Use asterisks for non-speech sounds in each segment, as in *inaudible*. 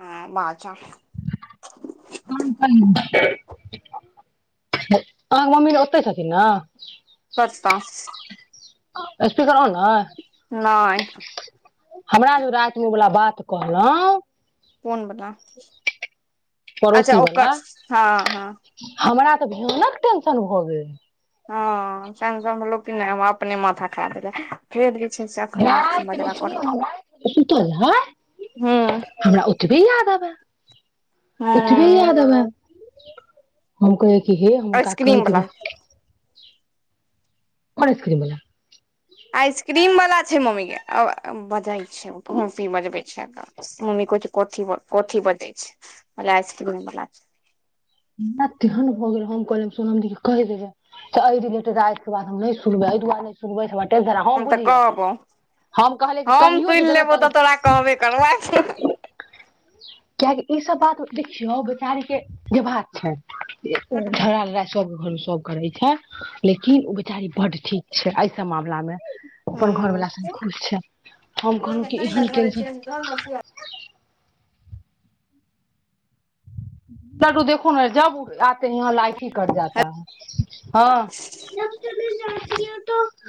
हँ बाचार अहाँके मम्मी ओतहि छथिन ने स् *unintelligible* एसपी करौ ने नहि हमरा जे रातिमे वला बात कहलहुँ फोन बला अच्छा पड़ोसी ओकर वला हँ हँ हमरा तऽ भियानक टेंशन भऽ गेल हँ स लोक अपने माथा खा देेल फेर छै से अखन मुठ मजरा करत सुतल रहै हूँ हमरा ओतबे याद आबै उतबे हूँ याद अवे कोइ कि हे हम का कह ह आइसक्रीम देबै बला कोन आस करी बला *inaudible* आइसक्रीम वाला छै मम्मी के बजा छै मफी बजबे छै मम्मी कोथी बजै छै आइसक्रीम बला हमरा तेहन हम कहल सुन कहि देबै एहि दिन राति के बात हम सुनबे एहि दुआरे सुनबे धरा हँ हम तऽ बुझि गेल कहबौ हम कहलिय कि हम कहियो जे सुनि देबै लेबौ तब तऽ तोरा कहबे करबै कियकि ई सब बात देखियौ बेचारी के जे बात छै धरा लड़ा स घन *inaudible* सब करै छै लेकिन ओ बेचारी बड ठीक छै एहिऐ सब मामला मे अपन हूँ घरवला साथ खुश छै हम कहलहुँ कि एहन टेंशन लड्डू देखो ने जब आते है यहाँ लाइट ही कट जाता है हँ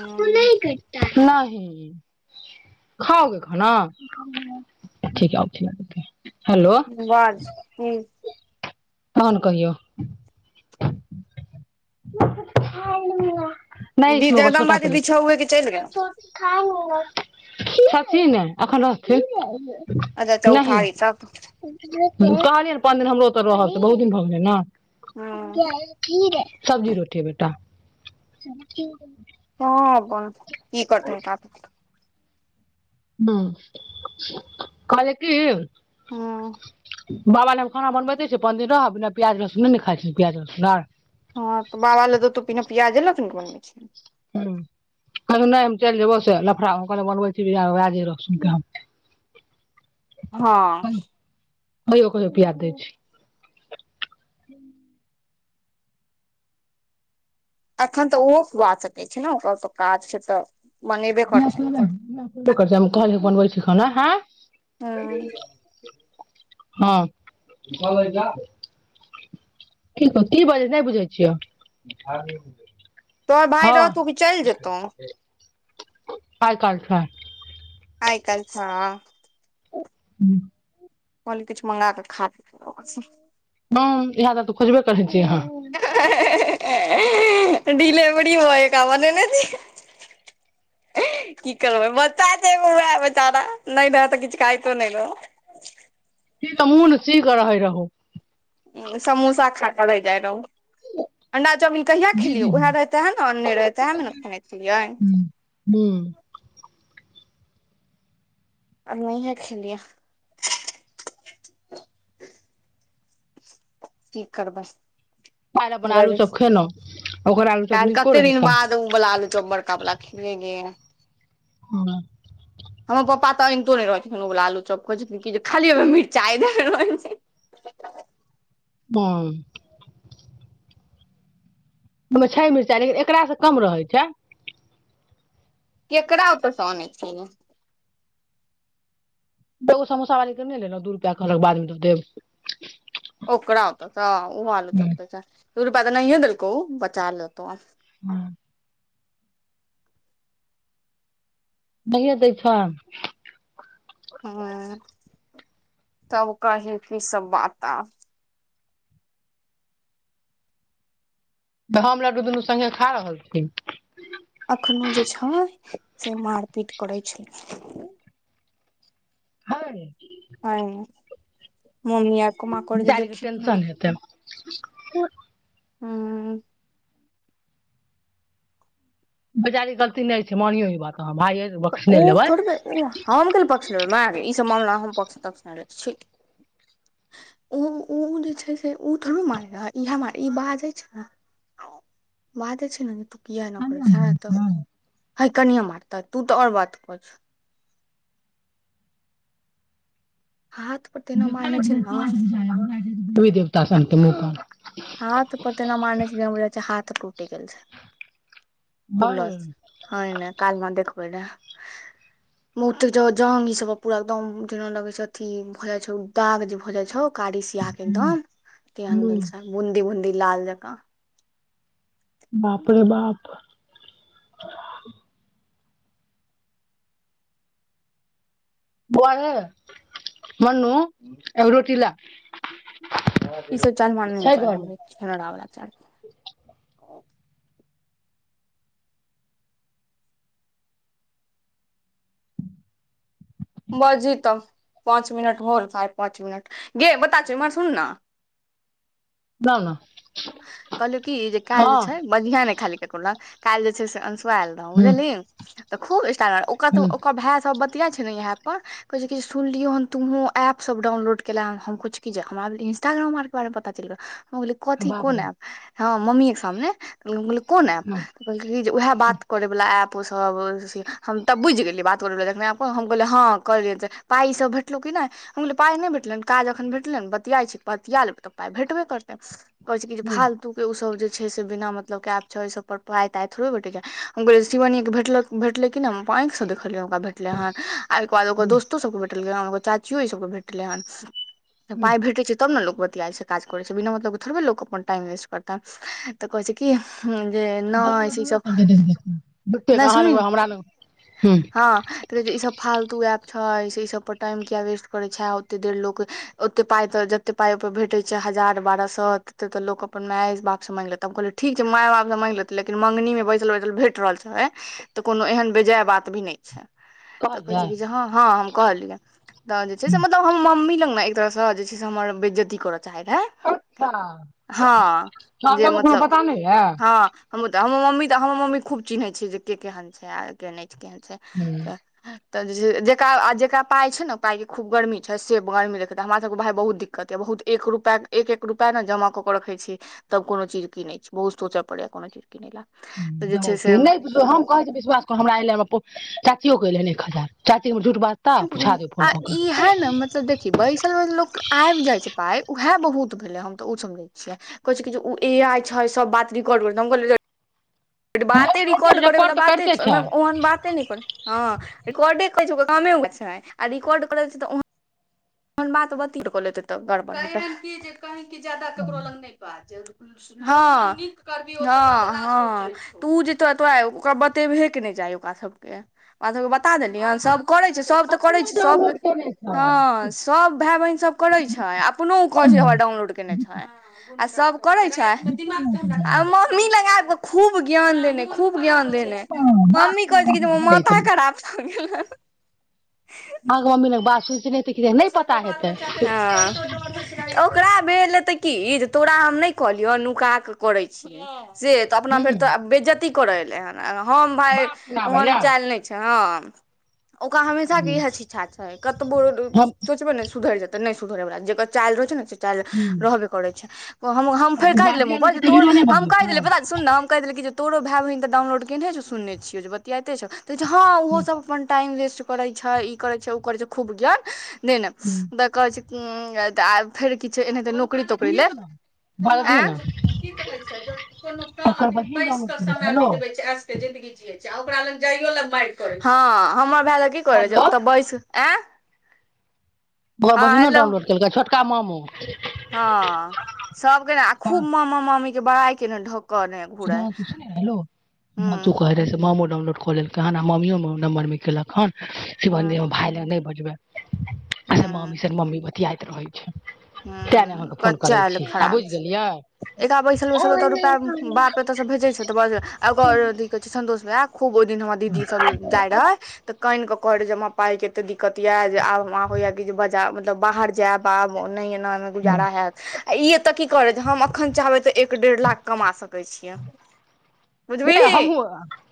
ह नहि *inaudible* खाओगे खाना ठीक है आओ खिलाते हैं बाज हू तहन कहिअ *inaudible* नहि इसमे‌ छोटा जगदम्बा दीदी प्लेट छौए के चलि गेल छथिन ने एखन रहथिन अच्छा नहि चौठारी तक ने पाँच दिन हमरो ओ रहल छै बहुत दिन भऽ ह हँ गेलै ने सब्जी रोटी बेटा हँ बन की करत ह क *inaudible* ह कहलिए कि हँ बाबा ल खाना बनबे छै पन्दिन रह बि प्याज रसु नहि ने खाइ छै प्याज रसुन आर हँ तऽ बाबा लए तऽ तू बिना प्याजे लऽ के ने बनबै छी हँ कहल नहि हम चलि जेयबौ से लफड़ा बनबै छीए सु हँ बइ ओक रप याद दै छै *inaudible* अखन तऽ ओहो खुआ सकै छै ने ओकर तऽ काज छै तऽ बनेबे करतै कहलिए बनबय छियै खाना हँ हँ की बजै नहि बुझै छिय तोहर भाइ रहतो कि चलि जेतहु काल काल आइ काल ह्म *inaudible* कल किछु मगा कऽ खा इह त तऽ खोजबे करै छीयै अहाँ ढीले बड़ी होय काम ने की करबै बच्चा एगो उएह बेचारा नहि ने त किछु खाइतो नहि ने *inaudible* तब ओ नसी कर ह रहो *inaudible* समोसा खा‌ खा क रहय जै रहू अण्डा चामीन कहिया दीदी खेलियौ हँ उएह रहै तेह ने आओर नहि रहैत तेहमे ने खेने छलियै ह्म आब नहिहे खेलिए की करबस काल्हि अपन आलू चप खेलहुँ ओकर आलू चप काल नीको कते रहै दिन काल्हि बाद ओ बला लु चो बड़का बला खिलिए गे हां हमर पापा तऽ अनितो नहि रहैतीन उ बला आलूचप कहै जथिन जे खाली ओहि मिरचाइ देने रहै छै *inaudible* ह *unintelligible* ओहि मे छै मिरचाइ लेकिन एकरा से कम रहै छै केकर औता से तऽ अने छिही एगो समोस वाली के नहि लेलहु दू रुपआ कहलोउ बाद मे दऽ देब ओकरा होत त ओालू चप दऽ छै दू रुपया त न नहिए देलकौ ओ बचा लेतऊ हँ नहि एतै एखन ह तब कही कि सब बात आ तऽ हम लाड्ड दुनू संघे खा रहल छी एखनहु जे छै से मारपीट करै छलै हय ह मम्मी आर को म कर जे देखी केना ह *unintelligible* हँ बजारी गलती नहि छै मानियो ई बात अहाँ भाये तऽ बख्सने ओ लेबै थोड़बे उ हम गेल पक्ष लेब ने तमरा हम पक्छ तक्ष नइ लइए छै ओ ओ जे छै से ओ थोड़ मारै ईहा मारै रहय ई बाजै छै ने बादे छै न जे त कए न करै छै तऽ ह कनए मारता तू तऽ आओर बात कर छ हाथ पर तेना मारने छै ने दी देवता सन के मुँह कान हाथ पर तना मारने छै जेना बुझाई छै हाथ तूट गेल छै फुलल हँ हय ने काल हमरा देखबइ रहा मुँह तु ज जंग ई सब पूरा एकदम जे लगे छै अथी भऽ जाइ छै दाग जे भऽ जाइ छोऊ कारी सिया केदम तहन भेल हूँ बेबुन्दी लाल जकऽ बाप रे बाप बौआ रे मनू एगो रोटी ला ई सब चालि हमारा नहि छै नीक लागै घरमे यै छीनरा वला चालि बाजहि तऽ पाँच मिनट होल साढ़े पाँच मिनट गे पता छौ इम्हर सुन न दाल न कहलहु की जे काल्हि जे छै बजिया ने खाली ककरो लग काल्हि जे छै से अं शु आएल रहौ हुँ बुझलि तऽ खूब स्टाईल मारो उ कहतो हुँ ओकर भाय सब बतियाय छै ने इहै एप पर कहै छै की सुनलियो हन तूंहो एप सब डाउनलोड केेलैं हम कहै छी कि जे हम इंस्टाग्राम आर के बारे में पता चलि गेलो हम कहलिये कथी बाप रे कोन एप हँ मम्मीअ के सामने कहकै हम कहलियै कोन ऐप हुँ कहलक जे उएह बात करै वाला ऐप सब से हम तब बुझि गेलियै बात करे वाला जखने एप कहलक हम कहलिऐ हँ कऽ लेने पाइ ई सब भेटलो कि नहि हम कहलिए पाइ नहि भेटलै काज अखन भेटले हन बतिया छियै बतिया लेबै तऽ पाय भेटबे करते कहे छै कि जे हुँ फालतू के ओ सब जे छै से बिना मतलब क एप छै ऐ सब पर पाय ताय थोरे भेटै छै हम कहलिए शिवानी के भेटले कि नै आंखि सँ देख कहलियै ओकरा भेटले हन आ ओहिके बाद ओकर हुँ दोस्तो सबके भेटलै हन ओकर चाचियो ई सबके भेटलै हेन तऽ हुँ पाय भेटैय छै तब ने लोक बतियाय छै काज कर छै बिना मतलब के थोरबे लोक अपन टाइम वेस्ट करतै तऽ कहै छै कि ह जे दाम नहि से ई लड्डुए सब कहलकै देख देख कऽ झुट्ठे नहि अहाँ सुनही लगबै न हमरा लगबै हुँ हँ तऽ ई सब फालतू एप छै से ई सब पर टाइम किया वेस्ट करै छै ओते देर लोक ओते पाइ तोरा जते पाई ओहिपर भेटैत छै ह हजार बारह सौ ह तऽ एतेक तऽ लोक अपन माय बाप से माँगले त हम कहल ठीक छै माय बाप से मांगते लेकिन मंगनी मे बैठल बैठल भेट रहल छैै तऽ कोनो एहन बेजाय बात भी नहि छै तऽ कहै छै कहलियै कि हँ हँ हम कहलियै तहन जे छै से मतलब हम मम्मी लग न एक तरहसँ जे छै से हमर बेज्जती करऽ चाहै रहै अच्छा हँ जे चाउरमे कोनो मतलब पता नहि यऽ हँ हमहूत हमहू मम्मी तऽ हमर मम्मी खूब चिन्है छै जे के केहन छै आ के नहि छै केहन छै हुँ तऽ जे छै जेकरा जे जेकरा पाय छै ने उ पाय के खू गर्मी छै से गर्मी देखे हमरा सब के भाय बहुत दिक्कत य बहुत एक रूपय एक एक रूपय ने जमा कऽ कऽ रखे छी तब कोनो चीज कीने छी बहुत सोचय पड़े य कोनो चीज किनै लए तऽ जे छै ब से नहि हम कहै छी विश्वास कर हमरा एल हम अपन चा चाचीयो के एलै एक हजार चाची झूठ बाजता पुछा देब आ फोन कऽ ई हए ने मतलब देखि बैसल बैसल लोक क आबि जाइ छै पाइ उएह बहुत भेले हम तऽ सब लै छियै कहे छै ए आई छै सब बात रिकॉर्ड करै छै *inaudible* बाते रिकॉर्ड कऽ करैवाला तऽ बाते करिते छै ओहिमे ओहन बाते नहि कर हॉ रिकॉडे कहै छै कि ओकर कामे उहे छै आ रिकॉर्ड करै छै त ओ तहन बात बतेै तऽ गड़बड़ कहियोन की जे कहि की जे ज्यादा ककरो लग नहि बाज हँ हँ हँ तऽ ओ जेतो तोरा ओकरा बतेबहे के नहि छै चाहि ओकरा सबके ओकरा सबके बत बता देलियै सभ करै छै सब तऽ करै अपने छै सभके डाउनलोड केने हँ छै सब भाय बहिन सब करै छै अपनो ओ कहै छै डाउनलोड केने छै आ सब करै छै आ मम्मी लग आइब क खूब ज्ञान देने खूब ज्ञान देने मम्मी कहैत छै कि जे माथा अहाँके खराब भऽ गेल हन मम्मी लग बात सुन सुनै तऽ किया नहि पता दोसरके बाल हेतै बच्चाके किछ कहितो डर होइत छलै ह ओकरा भेल हते की जे तोरा हम नहि कहलियौ नुका कऽ करय छीयै से तऽ अपना भरि हूँ तऽ तोरा बेजती कि करय एलै हन हम भाय बात सुनाबै ओहन लए चाइल नहि छै ह ओकरा हमेशा के इहे छिछा छै कतबो हम सोचबे न सुधर जेतै नहि जेकर चालि रहै छै ने चालि हूँ रहबे करै छै हम फेर कहि देलियै मुँह गार्जियन के पर तऽ तोर हीरो नहि हम बनै कहि देलै बता छै सुन न हम कहि देलियै जे तोरो भाय बहिन त डाउनलोड केने छै सुनने छियौ जे बतियाते छौ तऽ कहै छै हँ ओहो सब अपन टाइम वेस्ट करै छै ई करै छै उ करै छै खूब ज्ञान देने तऽ कहै छै तऽ फेर किछु एनाहिते नौकरी तोकरी लेब बजे दियो न की कहै छै ज कोनो का अथि बहिन बइस डाउनलोड के केने छै समय हेलो बितबै छै ऐस के जिन्दगी ओक ल लार हँ हमर भाय ल की करै हेलो छै ओतऽ बैस आँ ओकर हँ बहिनो हेलो डाउनलोड केलकै छोटका ममो हँ सबके ने आ खूब मामा मामी के बड़ाइ केने ढक सु सुनू न हेलो हँ हूँ तू कहे रहे से मामो डाउनलोड क लेलकै हन मामीयो नम्बर मे केलक हन हूँ शिवांगि हमर भाय लग नइ बजबे मामी हूँ मम्मी बतियाइत रहे छै तै न हूँ अहाँके फोन करै छी आब बुझि गेलियै एकरा बैसल बैसल ओतऽ रुपआ बाप ओतयसँ भेजै छै तऽ बजल ओकर हमहूँ अथी कहै छै संतोष भइया खूब ओहि दिन हमर दीदी सब जाय रहेै त काइन क कहे रहै हमरा पाइ के त दि दिक्कत य जे आब हमरा होय दीदी बजा मतलब बाहर जायब आब मोन नइ गाम म गुजारा हैत आ ई एतय की करैत हम अप अखन चाहबै तऽ एक डेढ़ लाख कमा सकै छियै बुझलीही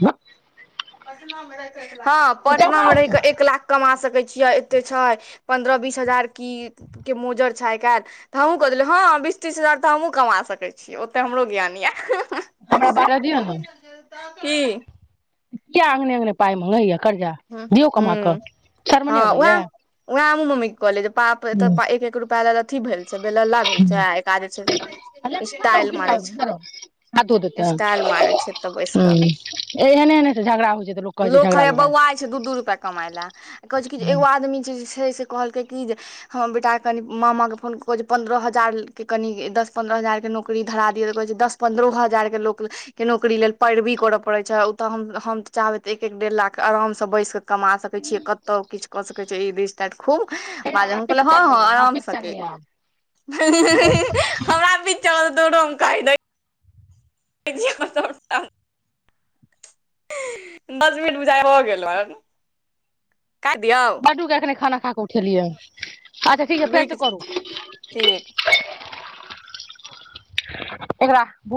*unintelligible* पटनो मे रहिक एक लाख हँ पटना कमाउ मे रहि के एक लाख कमा सकै कया एते छ पन्द्रह बिस हजार कि के मोजर छै आई काल कहे देल्हु हा बीस तीस हजार तऽ हमहुँ कमा सकै छीयै ओतऽ हमरो ज्ञान यऽ हमरा बारा दिअ न की किया अंगने अगने पाइ मगए कर्जा ह दियौ कमा ह कऽ शर्म नइ अबैए कहलिये पाप एक एक रुप अथी भेल छै बेलला भेल छै एका जे छैय जे स्टाइल तू गिर मारै जाएगी छै इधर आउ हाथो देतै स्टाइल मारै छै एतऽ बैस ह कऽ एहने एने छै झगड़ा होइ छै तऽ लोक कहै छै झगड़ा हइया लगा बौआइ दू दू रुपैआ कमाइ लए कहै छै कि जे एगो आदमी जे छै से कहलके कि जे हम बेटा कनि मामा के फोन कज पन्द्रह हजार लेलके कनि गे दस पन्द्रह हजार के नौकरी धरा द दस हजार के लोक के नौकरी लेल पैरवी करऽ परे छै ओत हम त चाहबै त एक ढेढ़ लाख के आराम से बैस के कमा सक छीय कतौ किछु क सक छ छी ई रि स्टारट खूब माज हमरा के हँ पिक्चर हँ नहि आब, आराम पिक्चर सके नहि आब, हमरा बीचार दूरोम कहि दै सभटा दस मिनट बुझाइ भ गेल हन बडूके एखने खाना खा कऽ उठेलियै अच्छा ठीक छै रुकि फेरसँ करू ठीक एकरा भु